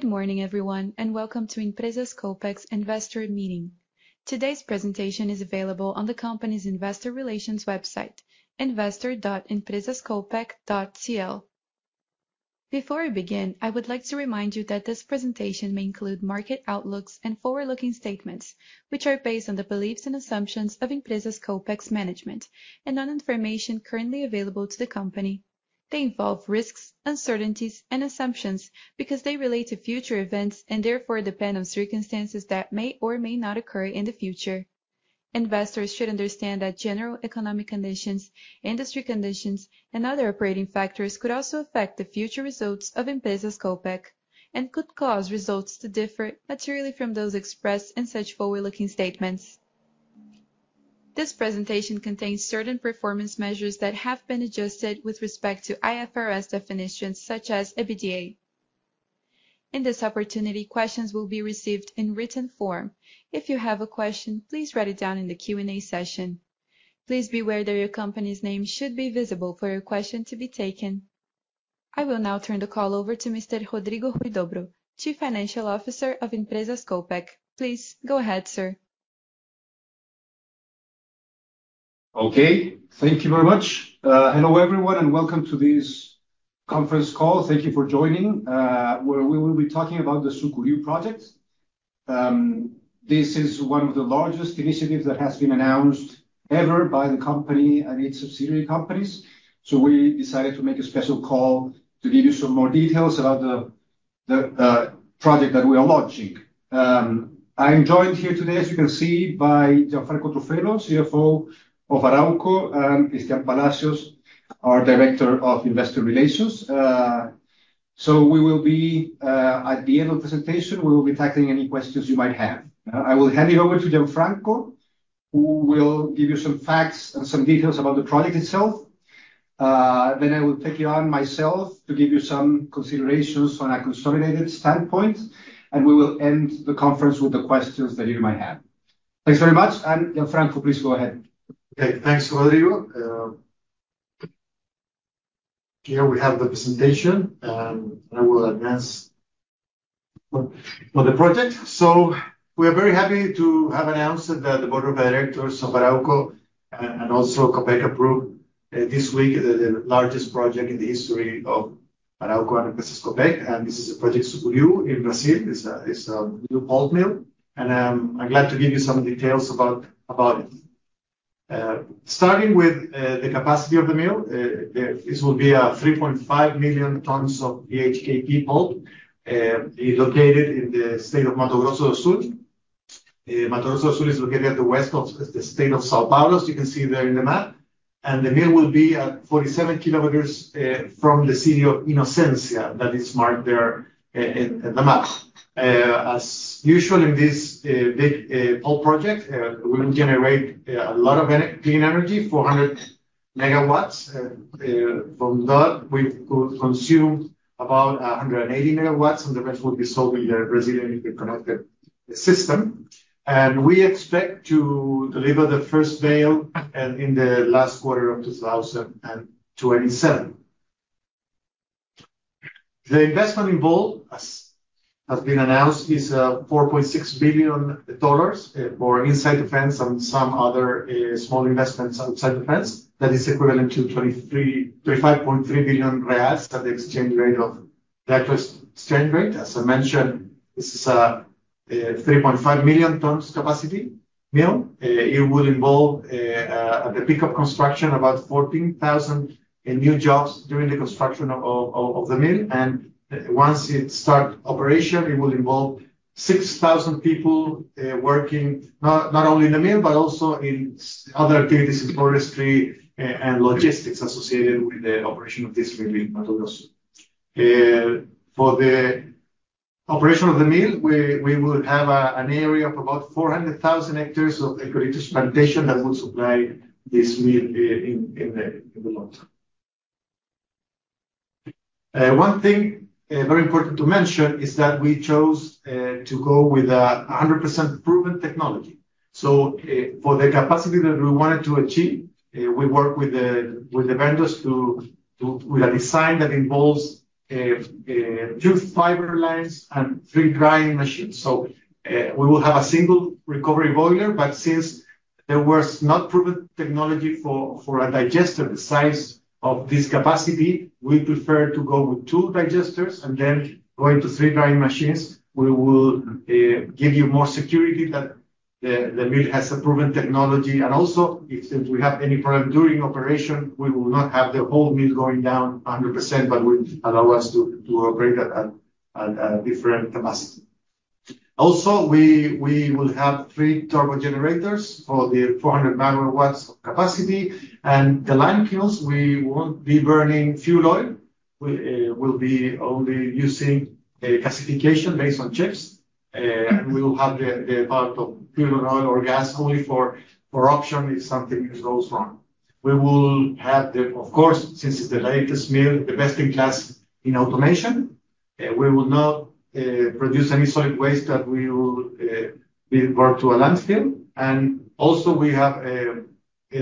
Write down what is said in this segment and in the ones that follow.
Good morning, everyone, and welcome to Empresas Copec's Investor Meeting. Today's presentation is available on the company's investor relations website, investor.empresascopec.cl. Before we begin, I would like to remind you that this presentation may include market outlooks and forward-looking statements, which are based on the beliefs and assumptions of Empresas Copec's management and on information currently available to the company. They involve risks, uncertainties, and assumptions because they relate to future events and therefore depend on circumstances that may or may not occur in the future. Investors should understand that general economic conditions, industry conditions, and other operating factors could also affect the future results of Empresas Copec and could cause results to differ materially from those expressed in such forward-looking statements. This presentation contains certain performance measures that have been adjusted with respect to IFRS definitions such as EBITDA. In this opportunity, questions will be received in written form. If you have a question, please write it down in the Q&A session. Please be aware that your company's name should be visible for your question to be taken. I will now turn the call over to Mr. Rodrigo Huidobro, Chief Financial Officer of Empresas Copec. Please go ahead, sir. Okay. Thank you very much. Hello, everyone, and welcome to this conference call. Thank you for joining, where we will be talking about the Sucuriú project. This is one of the largest initiatives that has been announced ever by the company and its subsidiary companies, so we decided to make a special call to give you some more details about the project that we are launching. I'm joined here today, as you can see, by Gianfranco Truffello, CFO of Arauco, and Cristián Palacios, our Director of Investor Relations. So we will be at the end of the presentation, we will be tackling any questions you might have. I will hand it over to Gianfranco, who will give you some facts and some details about the project itself. Then I will take you on myself to give you some considerations from a consolidated standpoint, and we will end the conference with the questions that you might have. Thanks very much, and Gianfranco, please go ahead. Okay. Thanks, Rodrigo. Here we have the presentation, and I will advance for the project, so we are very happy to have announced that the board of directors of Arauco and also Copec approved this week the largest project in the history of Arauco and Empresas Copec, and this is a project, Sucuriú, in Brazil. It's a new pulp mill, and I'm glad to give you some details about it. Starting with the capacity of the mill. This will be a 3.5 million tons of BHKP pulp. It's located in the state of Mato Grosso do Sul. Mato Grosso do Sul is located at the west of the state of São Paulo, as you can see there in the map, and the mill will be at 47 kilometers from the city of Inocência that is marked there in the map. As usual, in this big pulp project, we will generate a lot of clean energy, 400 megawatts. From that, we've consumed about 180 megawatts, and the rest will be sold in the Brazilian Interconnected System. And we expect to deliver the first bale in the last quarter of 2027. The investment involved, as has been announced, is $4.6 billion for inside the fence and some other small investments outside the fence. That is equivalent to 23, 25.3 billion at the exchange rate of that exchange rate, as I mentioned, this is a 3.5 million tons capacity mill. It will involve, at the peak of construction, about 14,000 new jobs during the construction of the mill, and once it start operation, it will involve 6,000 people, working not only in the mill, but also in other activities in forestry and logistics associated with the operation of this mill in Mato Grosso do Sul. For the operation of the mill, we will have an area of about 400,000 hectares of eucalyptus plantation that will supply this mill, in the long term. One thing, very important to mention is that we chose to go with 100% proven technology. So, for the capacity that we wanted to achieve, we worked with the vendors with a design that involves two fiber lines and three drying machines. So, we will have a single recovery boiler, but since there was not proven technology for a digester the size of this capacity, we prefer to go with two digesters and then go into three drying machines. We will give you more security that the mill has a proven technology. And also, if we have any problem during operation, we will not have the whole mill going down 100%, but will allow us to operate at a different capacity. Also, we will have three turbo generators for the 400 megawatts of capacity. The lime kilns, we won't be burning fuel oil. We will be only using a gasification based on chips, and we will have the part of fuel oil or gas only for option, if something goes wrong. We will have, of course, since it's the latest mill, the best-in-class in automation. We will not produce any solid waste that will be brought to a landfill. Also, we have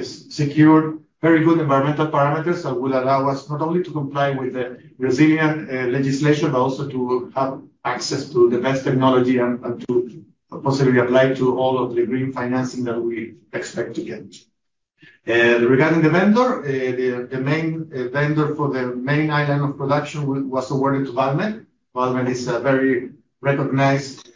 secured very good environmental parameters that will allow us not only to comply with the Brazilian legislation, but also to have access to the best technology and to possibly apply to all of the green financing that we expect to get. Regarding the vendor, the main line of production was awarded to Valmet. Valmet is a very recognized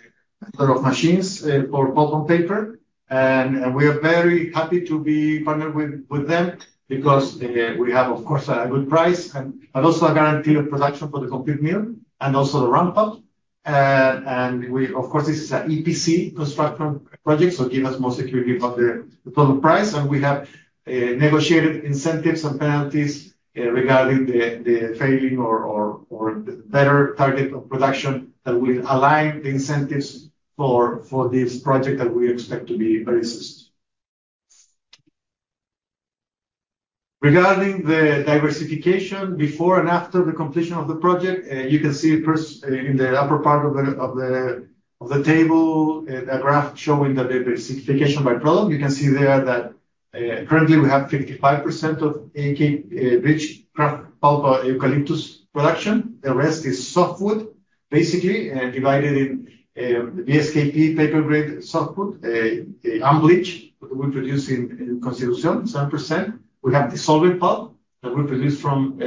set of machines for pulp and paper, and we are very happy to be partnered with them because we have, of course, a good price and but also a guarantee of production for the complete mill and also the ramp-up. We, of course, this is an EPC construction project, so give us more security about the total price, and we have negotiated incentives and penalties regarding the failing or the better target of production that will align the incentives for this project that we expect to be very successful. Regarding the diversification before and after the completion of the project, you can see first, in the upper part of the table, a graph showing the diversification by product. You can see there that, currently we have 55% of BHK, bleached kraft pulp, eucalyptus production. The rest is softwood, basically, divided in, the BSKP paper grade softwood, unbleached, that we produce in, in Constitución, 7%. We have dissolving pulp that we produce from,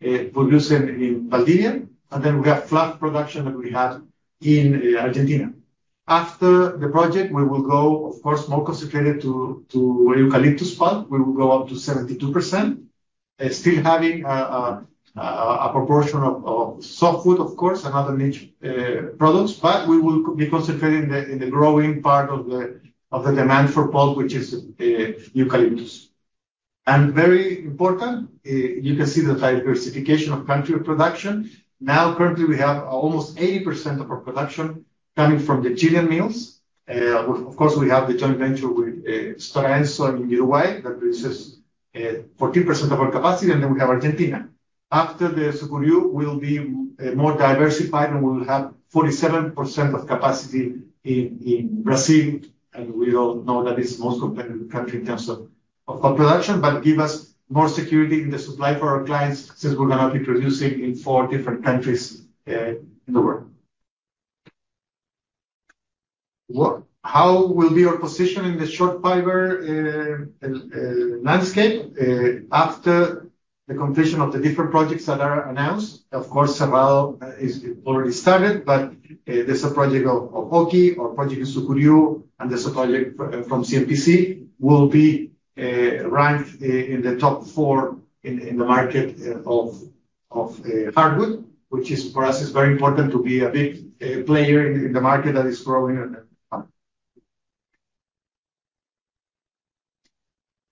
producing in Valdivia, and then we have fluff production that we have in, Argentina. After the project, we will go, of course, more concentrated to, eucalyptus pulp. We will go up to 72%, still having a proportion of softwood, of course, and other niche products, but we will be concentrating in the growing part of the demand for pulp, which is eucalyptus, and very important, you can see the diversification of country of production. Now, currently, we have almost 80% of our production coming from the Chilean mills. Of course, we have the joint venture with Stora Enso in Uruguay, that produces 14% of our capacity, and then we have Argentina. After the Sucuriú, we'll be more diversified, and we will have 47% of capacity in Brazil, and we all know that is the most competitive country in terms of production, but give us more security in the supply for our clients, since we're going to be producing in four different countries in the world. What, how will be our position in the short fiber landscape after the completion of the different projects that are announced? Of course, several is already started, but there's a project of Oji, our project in Sucuriú, and there's a project from CMPC, will be ranked in the top four in the market of hardwood, which is for us is very important to be a big player in the market that is growing.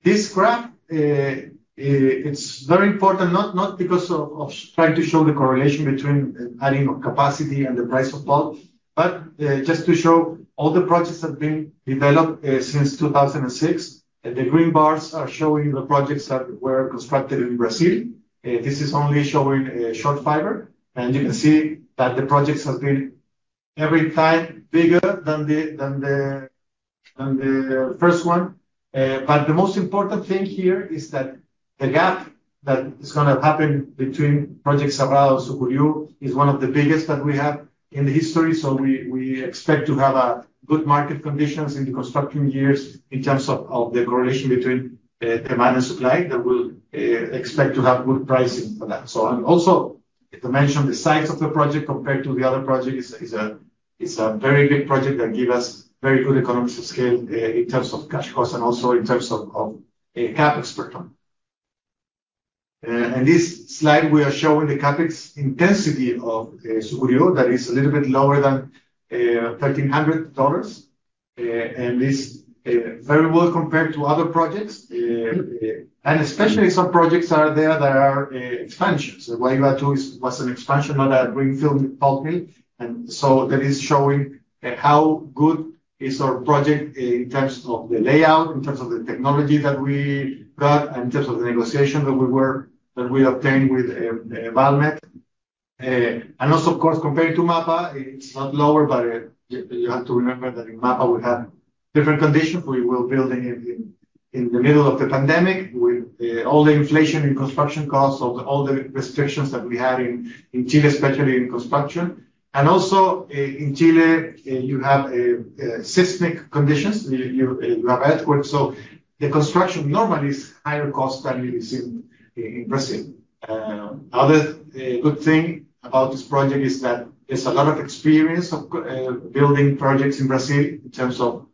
This graph, it's very important, not because of trying to show the correlation between adding of capacity and the price of pulp, but just to show all the projects that have been developed since two thousand and six. The green bars are showing the projects that were constructed in Brazil. This is only showing a short fiber, and you can see that the projects have been every time bigger than the first one. But the most important thing here is that the gap that is gonna happen between Project Cerrado, Sucuriú is one of the biggest that we have in the history. So we expect to have good market conditions in the construction years in terms of the correlation between demand and supply, that will expect to have good pricing for that. To mention the size of the project compared to the other projects, it's a very big project that give us very good economies of scale in terms of cash costs and also in terms of CapEx per ton. In this slide, we are showing the CapEx intensity of Sucuriú that is a little bit lower than $1,300. And this very well compared to other projects, and especially some projects out there that are expansions. The MAPA was an expansion, not a greenfield pulp mill. That is showing how good is our project in terms of the layout, in terms of the technology that we got, in terms of the negotiation that we obtained with Valmet. And also, of course, compared to MAPA, it's not lower, but you have to remember that in MAPA, we have different conditions. We were building in the middle of the pandemic with all the inflation in construction costs, so all the restrictions that we had in Chile, especially in construction. And also, in Chile, you have seismic conditions. You have earthquake, so the construction normally is higher cost than it is in Brazil. Other good thing about this project is that there's a lot of experience of building projects in Brazil in terms of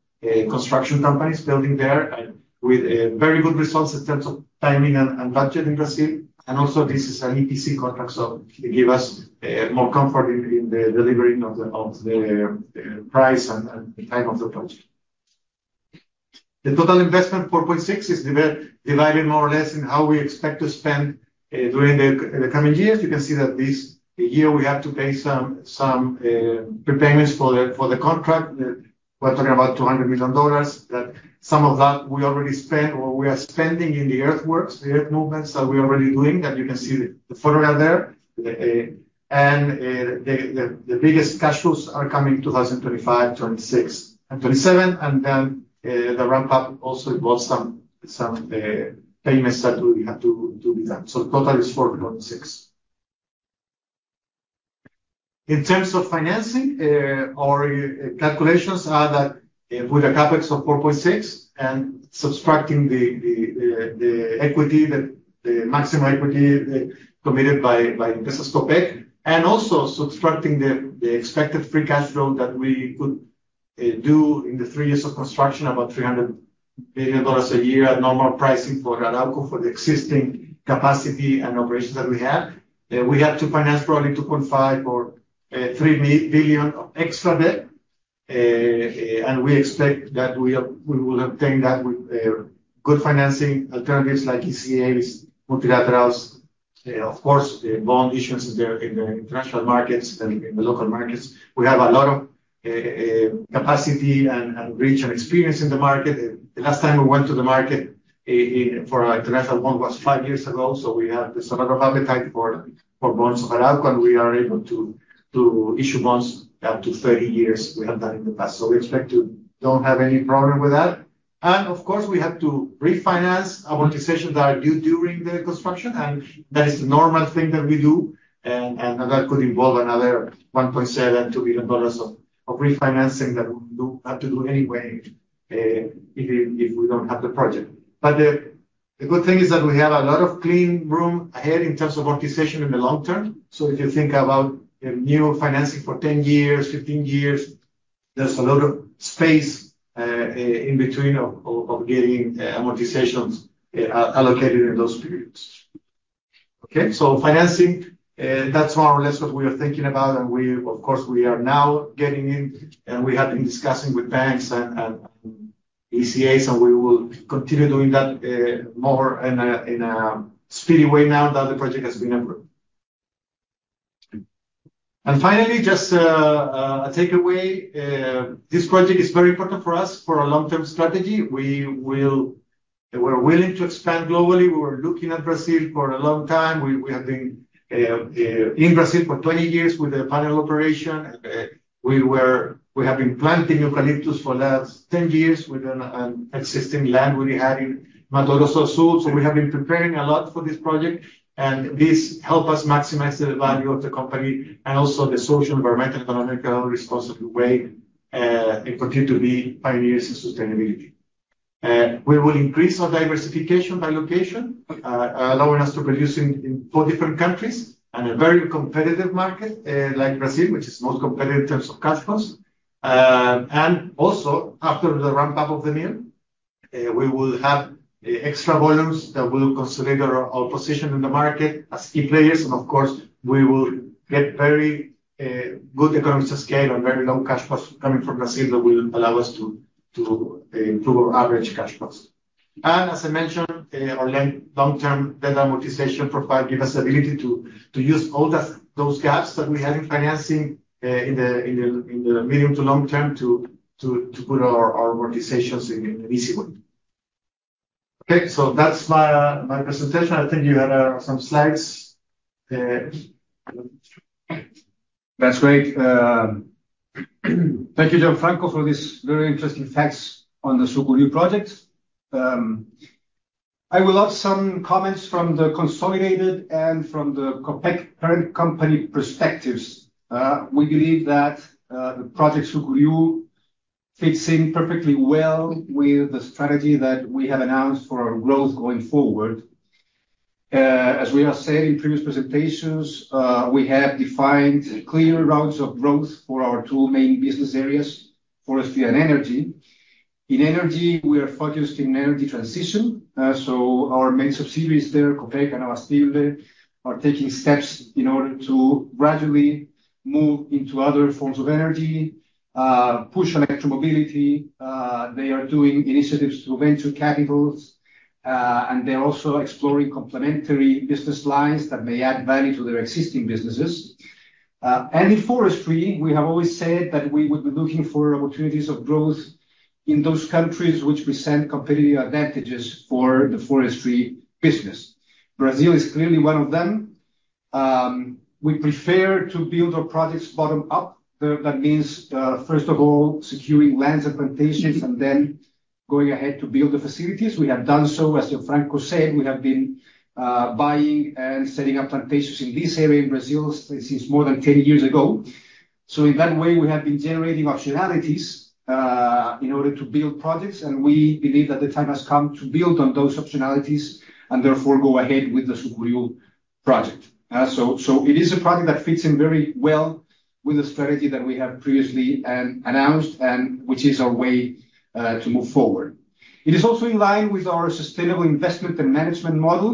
construction companies building there, and with very good results in terms of timing and budget in Brazil. And also, this is an EPC contract, so it give us more comfort in the delivering of the price and the time of the project. The total investment, $4.6 billion, is divided more or less in how we expect to spend during the coming years. You can see that this year we have to pay some prepayments for the contract. We're talking about $200 million, that some of that we already spent or we are spending in the earthworks, the earth movements that we're already doing, that you can see the photograph there. And the biggest cash flows are coming in 2025, 2026, and 2027, and then the ramp-up also involves some payments that we have to be done. The total is $4.6 billion. In terms of financing, our calculations are that with a CapEx of $4.6 billion and subtracting the equity, the maximum equity committed by Empresas Copec, and also subtracting the expected free cash flow that we could do in the three years of construction, about $300 million a year at normal pricing for Arauco, for the existing capacity and operations that we have. We have to finance probably $2.5 or $3 billion of extra debt. And we expect that we will obtain that with good financing alternatives like ECAs, multilaterals, of course, the bond issuance in the international markets and in the local markets. We have a lot of capacity and reach and experience in the market. The last time we went to the market for international bond was five years ago, so we have. There's a lot of appetite for bonds of Arauco, and we are able to issue bonds up to 30 years. We have done in the past, so we expect to don't have any problem with that. Of course, we have to refinance amortizations that are due during the construction, and that is the normal thing that we do, and that could involve another $1.7 billion of refinancing that we have to do anyway, even if we don't have the project. But the good thing is that we have a lot of clean room ahead in terms of amortization in the long term. So if you think about a new financing for 10 years, 15 years, there's a lot of space in between of getting amortizations allocated in those periods. Okay, so financing, that's more or less what we are thinking about, and we of course, we are now getting in, and we have been discussing with banks and ECAs, and we will continue doing that more in a speedy way now that the project has been approved. And finally, just a takeaway. This project is very important for us for our long-term strategy. We will, we're willing to expand globally. We were looking at Brazil for a long time. We have been in Brazil for 20 years with the panel operation. We have been planting eucalyptus for the last ten years with an existing land we had in Mato Grosso do Sul. So we have been preparing a lot for this project, and this help us maximize the value of the company and also the social, environmental, economical, responsible way, and continue to be pioneers in sustainability. We will increase our diversification by location, allowing us to produce in four different countries and a very competitive market like Brazil, which is most competitive in terms of cash flows. And also, after the ramp-up of the mill, we will have extra volumes that will consolidate our position in the market as key players, and of course, we will get very good economies of scale and very low cash costs coming from Brazil that will allow us to improve our average cash costs. And as I mentioned, our long-term debt amortization profile give us the ability to use all those gaps that we have in financing in the medium to long term to put our amortizations in an easy way. Okay, so that's my presentation. I think you had some slides. That's great. Thank you, Gianfranco, for these very interesting facts on the Sucuriú project. I will add some comments from the consolidated and from the Copec parent company perspectives. We believe that the project Sucuriú fits in perfectly well with the strategy that we have announced for our growth going forward. As we have said in previous presentations, we have defined clear routes of growth for our two main business areas, forestry and energy. In energy, we are focused in energy transition, so our main subsidiaries there, Copec and Abastible, are taking steps in order to gradually move into other forms of energy, push electromobility. They are doing initiatives to venture capitals, and they're also exploring complementary business lines that may add value to their existing businesses, and in forestry, we have always said that we would be looking for opportunities of growth in those countries which present competitive advantages for the forestry business. Brazil is clearly one of them. We prefer to build our projects bottom up. That means first of all securing lands and plantations and then going ahead to build the facilities. We have done so. As Gianfranco said, we have been buying and setting up plantations in this area in Brazil since more than 10 years ago. So in that way, we have been generating optionalities in order to build projects, and we believe that the time has come to build on those optionalities and therefore go ahead with the Sucuriú project. So it is a project that fits in very well with the strategy that we have previously announced, and which is our way to move forward. It is also in line with our sustainable investment and management model.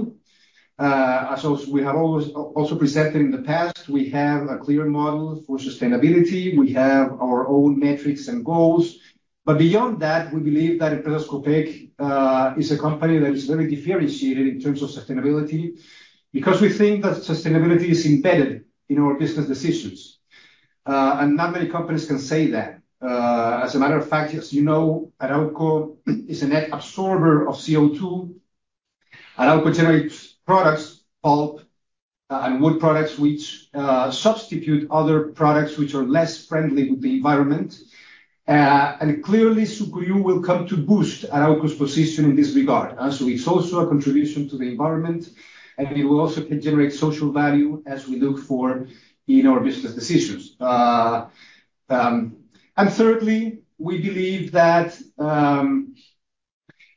As we have always also presented in the past, we have a clear model for sustainability. We have our own metrics and goals, but beyond that, we believe that Empresas Copec is a company that is very differentiated in terms of sustainability because we think that sustainability is embedded in our business decisions, and not many companies can say that. As a matter of fact, as you know, Arauco is a net absorber of CO2. Arauco generates products, pulp, and wood products, which substitute other products which are less friendly with the environment. And clearly, Sucuriú will come to boost Arauco's position in this regard, so it's also a contribution to the environment, and it will also generate social value as we look for in our business decisions. Thirdly, we believe that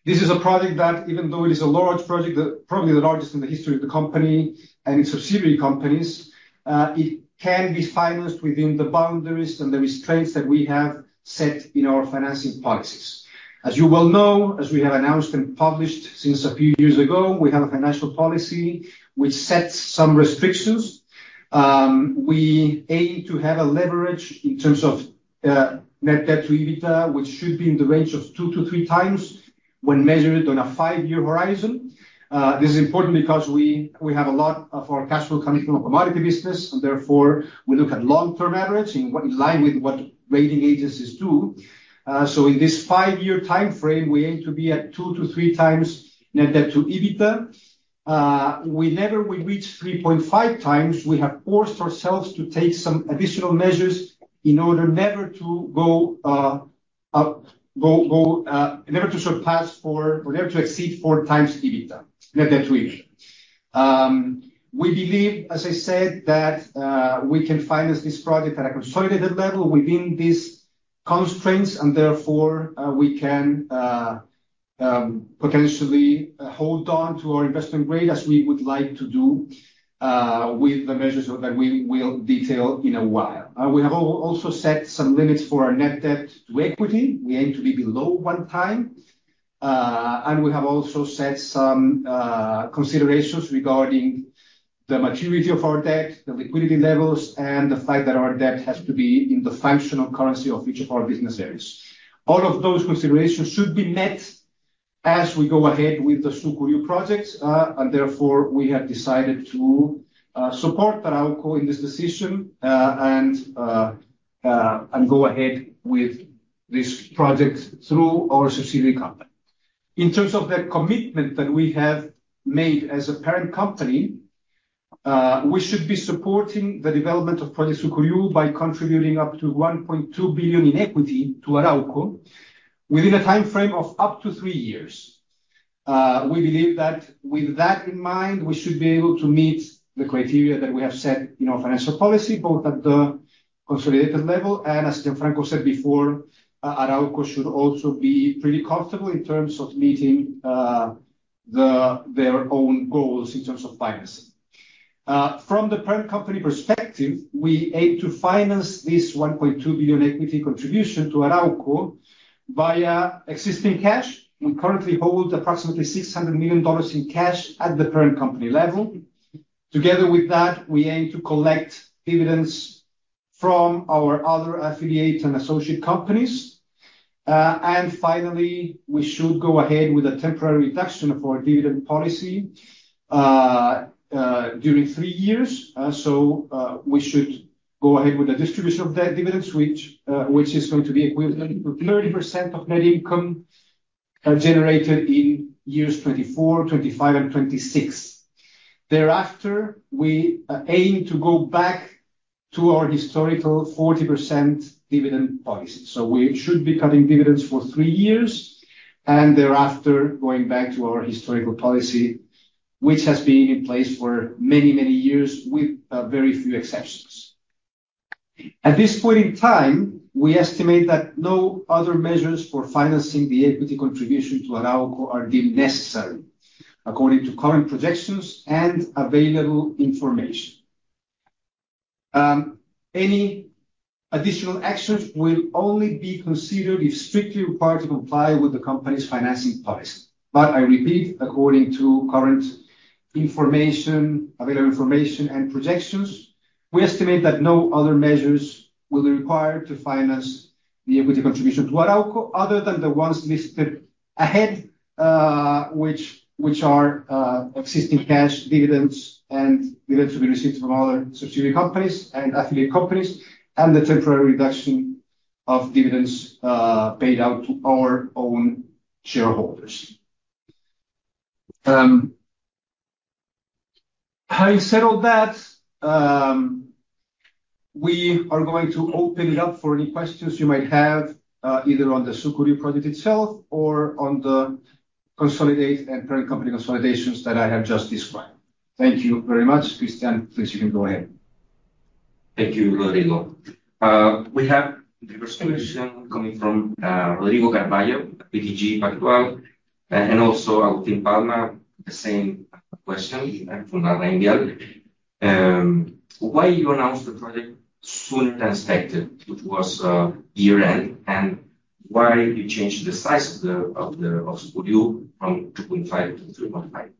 this is a project that even though it is a large project, probably the largest in the history of the company and its subsidiary companies, it can be financed within the boundaries and the restraints that we have set in our financing policies. As you well know, as we have announced and published since a few years ago, we have a financial policy which sets some restrictions. We aim to have a leverage in terms of net debt to EBITDA, which should be in the range of two to three times when measured on a five-year horizon. This is important because we have a lot of our cash flow coming from a commodity business, and therefore, we look at long-term average in line with what rating agencies do, so in this five-year timeframe, we aim to be at two to three times net debt to EBITDA. Whenever we reach three point five times, we have forced ourselves to take some additional measures in order never to go up, never to surpass four or never to exceed four times EBITDA. Net debt to EBITDA. We believe, as I said, that we can finance this project at a consolidated level within these constraints, and therefore, we can potentially hold on to our investment grade as we would like to do, with the measures that we will detail in a while. We have also set some limits for our net debt to equity. We aim to be below one time. And we have also set some considerations regarding the maturity of our debt, the liquidity levels, and the fact that our debt has to be in the functional currency of each of our business areas. All of those considerations should be met as we go ahead with the Sucuriú project, and therefore, we have decided to support Arauco in this decision, and go ahead with this project through our subsidiary company. In terms of the commitment that we have made as a parent company, we should be supporting the development of Project Sucuriú by contributing up to 1.2 billion in equity to Arauco within a timeframe of up to three years. We believe that with that in mind, we should be able to meet the criteria that we have set in our financial policy, both at the consolidated level, and as Gianfranco said before, Arauco should also be pretty comfortable in terms of meeting their own goals in terms of financing. From the parent company perspective, we aim to finance this $1.2 billion equity contribution to Arauco via existing cash. We currently hold approximately $600 million in cash at the parent company level. Together with that, we aim to collect dividends from our other affiliate and associate companies. And finally, we should go ahead with a temporary reduction of our dividend policy during three years. So, we should go ahead with the distribution of that dividends, which is going to be equivalent to 30% of net income generated in years 2024, 2025, and 2026. Thereafter, we aim to go back to our historical 40% dividend policy. So we should be cutting dividends for three years, and thereafter, going back to our historical policy, which has been in place for many, many years, with very few exceptions. At this point in time, we estimate that no other measures for financing the equity contribution to Arauco are deemed necessary, according to current projections and available information. Any additional actions will only be considered if strictly required to comply with the company's financing policy. I repeat, according to current information, available information and projections, we estimate that no other measures will be required to finance the equity contribution to Arauco, other than the ones listed ahead, which are existing cash dividends and dividends to be received from other subsidiary companies and affiliate companies, and the temporary reduction of dividends paid out to our own shareholders. Having said all that, we are going to open it up for any questions you might have, either on the Sucuriú project itself or on the consolidated and parent company consolidations that I have just described. Thank you very much. Cristián, please, you can go ahead. Thank you, Rodrigo. We have the first question coming from Rodrigo Carvalho, BTG Pactual, and also Agustín Palma, the same question from LarrainVial. Why you announce the project sooner than expected, which was year-end? And why you changed the size of the Sucuriú from two point five to three point five?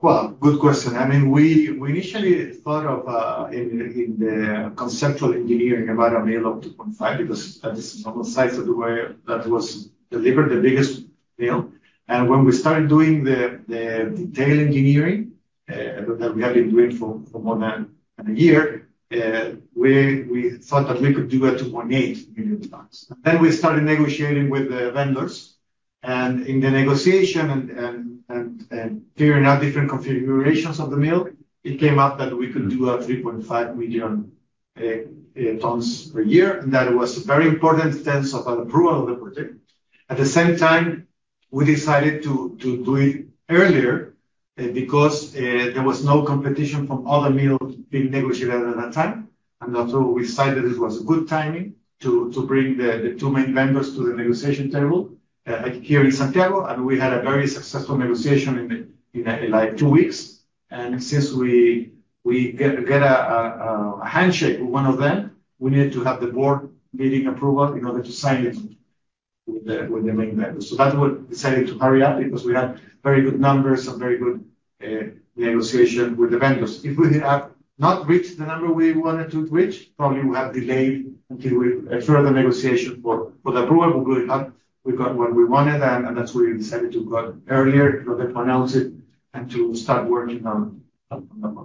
Well, good question. I mean, we initially thought of in the conceptual engineering about a mill of 2.5, because that is almost the size of the way that was delivered, the biggest mill. And when we started doing the detail engineering that we have been doing for more than a year, we thought that we could do a 2.8 million tons. Then we started negotiating with the vendors. In the negotiation and figuring out different configurations of the mill, it came up that we could do a 3.5 million tons per year, and that was a very important step of an approval of the project. At the same time, we decided to do it earlier because there was no competition from other mills being negotiated at that time. We also decided it was a good timing to bring the two main vendors to the negotiation table here in Santiago, and we had a very successful negotiation in like two weeks. Since we got a handshake with one of them, we needed to have the board meeting approval in order to sign it with the main vendor. That's what we decided to hurry up because we had very good numbers and very good negotiation with the vendors. If we had not reached the number we wanted to reach, probably we have delayed until further negotiation for the approval. But we got what we wanted, and that's why we decided to go out earlier in order to announce it and to start working on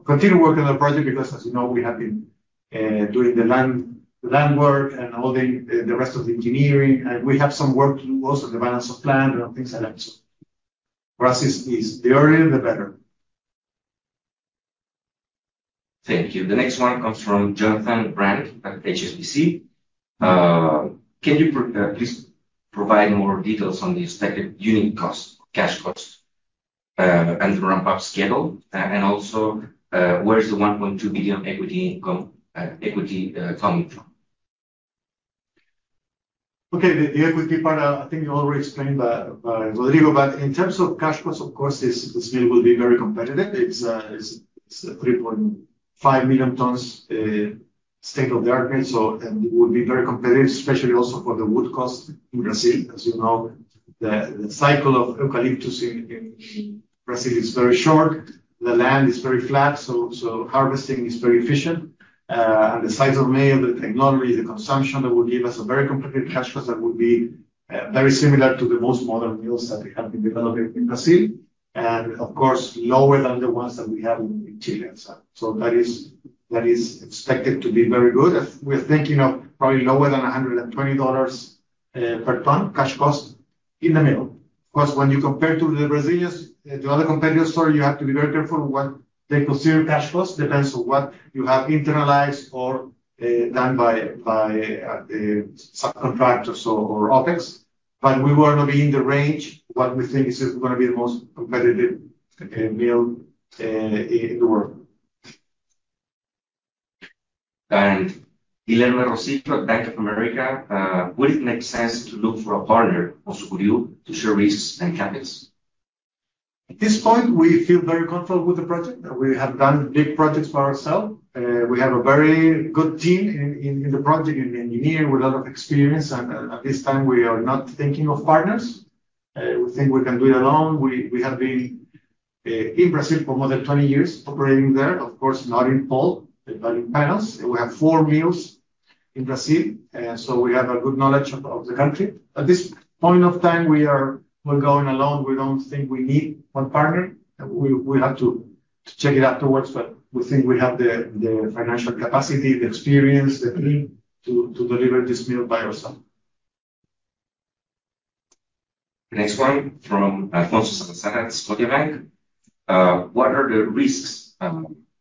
continue working on the project, because as you know, we have been doing the land, the land work and all the rest of the engineering. We have some work to do also, the balance of plant and things like that. For us, the earlier, the better. Thank you. The next one comes from Jonathan Brandt at HSBC. Can you please provide more details on the expected unit cost, cash cost, and the ramp-up schedule? And also, where is the $1.2 billion equity income coming from? Okay, the equity part, I think you already explained by Rodrigo, but in terms of cash costs, of course, this mill will be very competitive. It's a 3.5 million tons, state-of-the-art mill, so it will be very competitive, especially also for the wood cost in Brazil. As you know, the cycle of eucalyptus in Brazil is very short. The land is very flat, so harvesting is very efficient. And the size of mill, the technology, the consumption, that will give us a very competitive cash cost that will be very similar to the most modern mills that we have been developing in Brazil, and of course, lower than the ones that we have in Chile. That is expected to be very good. We're thinking of probably lower than $120 per ton cash cost in the mill. Of course, when you compare to the Brazilians, the other competitors, so you have to be very careful what they consider cash costs. Depends on what you have internalized or done by subcontractors or OpEx. But we were going to be in the range, what we think is going to be the most competitive mill in the world. Guilherme Rosito at Bank of America, would it make sense to look for a partner for Sucuriú to share risks and capitals? At this point, we feel very comfortable with the project. We have done big projects by ourselves. We have a very good team in the project, in engineering, with a lot of experience, and at this time, we are not thinking of partners. We think we can do it alone. We have been in Brazil for more than twenty years, operating there, of course, not in pulp, but in panels. We have four mills in Brazil, so we have a good knowledge of the country. At this point of time, we're going alone. We don't think we need one partner. We have to check it afterwards, but we think we have the financial capacity, the experience, the team to deliver this mill by ourselves. The next one from Alfonso Salazar at Scotiabank. What are the risks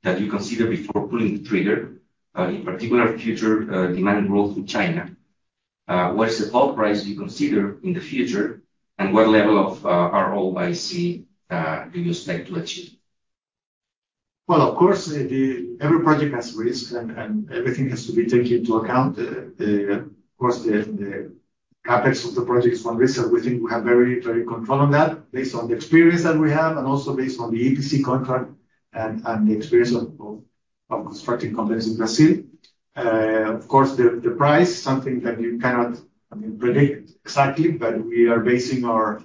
that you consider before pulling the trigger, in particular, future demand growth in China? What is the pulp price you consider in the future, and what level of ROIC do you expect to achieve? Well, of course, every project has risk, and everything has to be taken into account. The CapEx of the project is one risk, and we think we have very good control on that based on the experience that we have, and also based on the EPC contract and the experience of constructing companies in Brazil. Of course, the price, something that you cannot, I mean, predict exactly, but we are basing our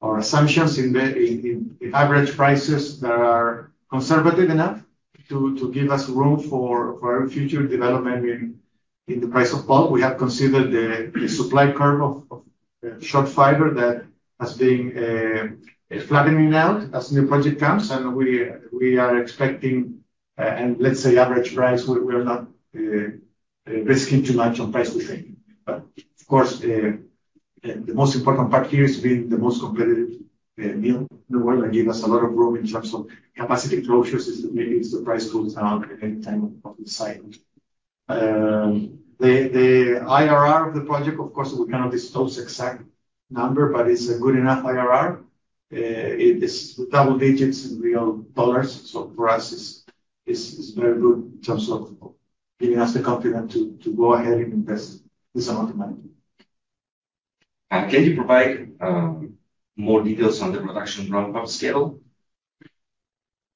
assumptions in the average prices that are conservative enough to give us room for future development in the price of pulp. We have considered the supply curve of short fiber that has been flattening out as new project comes, and we are expecting, and let's say average price, we are not risking too much on price decreasing. But of course, the most important part here is being the most competitive mill in the world and give us a lot of room in terms of capacity closures if the price goes down at any time of the cycle. The IRR of the project, of course, we cannot disclose exact number, but it's a good enough IRR. It is double digits in real dollars, so for us, it's very good in terms of giving us the confidence to go ahead and invest this amount of money. Can you provide more details on the production ramp-up schedule?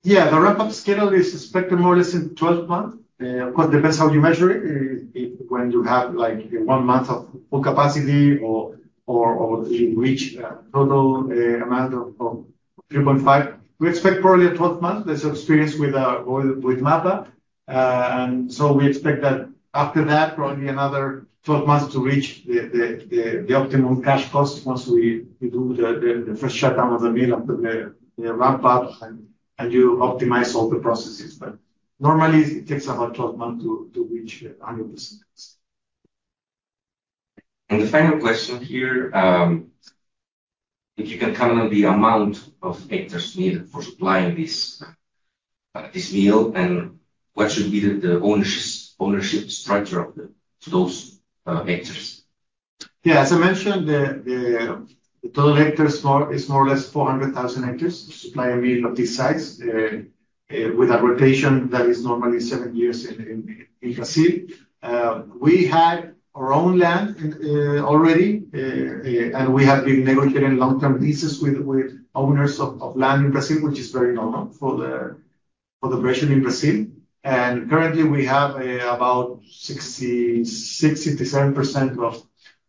Yeah, the ramp-up schedule is expected more or less in 12 months. Of course, it depends how you measure it. If when you have, like, one month of full capacity or you reach a total amount of 3.5. We expect probably 12 months. There's experience with MAPA. And so we expect that after that, probably another 12 months to reach the optimum cash cost once we do the first shutdown of the mill after the ramp-up, and you optimize all the processes. Normally, it takes about 12 months to reach 100%. The final question here, if you can comment on the amount of hectares needed for supplying this mill, and what should be the ownership structure of those hectares? Yeah, as I mentioned, the total hectares, more or less, is 400,000 hectares to supply a mill of this size, with a rotation that is normally seven years in Brazil. We had our own land already, and we have been negotiating long-term leases with owners of land in Brazil, which is very normal for the operation in Brazil. Currently, we have about 66-67%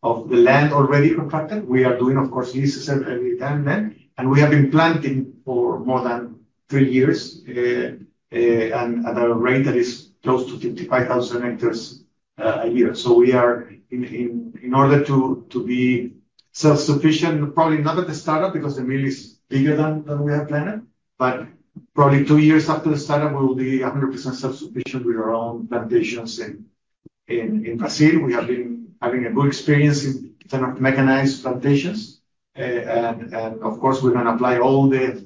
of the land already contracted. We are doing, of course, leases every time then, and we have been planting for more than three years, and at a rate that is close to 55,000 hectares a year. We are in order to be self-sufficient, probably not at the startup, because the mill is bigger than we have planned, but probably two years after the startup, we will be 100% self-sufficient with our own plantations in Brazil. We have been having a good experience in terms of mechanized plantations. And of course, we're going to apply all the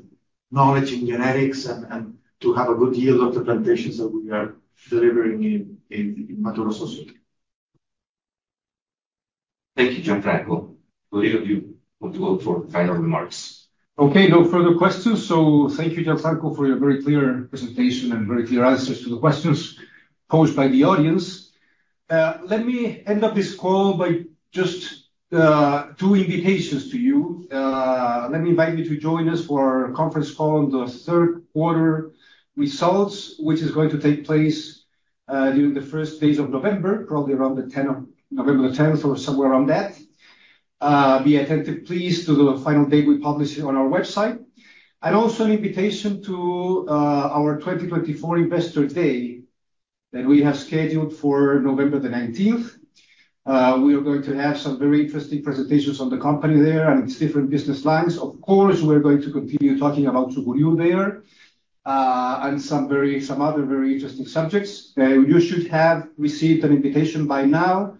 knowledge in genetics and to have a good yield of the plantations that we are delivering in Mato Grosso do Sul. Thank you, Gianfranco. Either of you want to go for final remarks? Okay, no further questions, so thank you, Gianfranco, for your very clear presentation and very clear answers to the questions posed by the audience. Let me end up this call by just two invitations to you. Let me invite you to join us for our conference call on the third quarter results, which is going to take place during the first days of November, probably around the tenth of November, or somewhere around that. Be attentive, please, to the final date we publish on our website. And also an invitation to our twenty twenty-four Investor Day that we have scheduled for November the nineteenth. We are going to have some very interesting presentations on the company there and its different business lines. Of course, we're going to continue talking about Sucuriú there, and some other very interesting subjects. You should have received an invitation by now.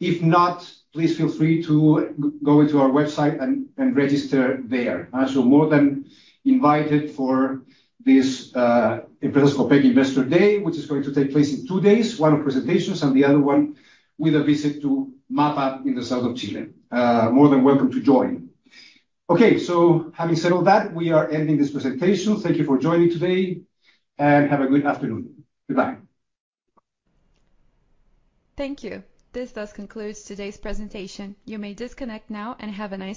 If not, please feel free to go into our website and register there. So more than invited for this Empresas Copec Investor Day, which is going to take place in two days, one presentations and the other one with a visit to MAPA in the south of Chile. More than welcome to join. Okay, so having said all that, we are ending this presentation. Thank you for joining today, and have a good afternoon. Goodbye. Thank you. This does conclude today's presentation. You may disconnect now, and have a nice day.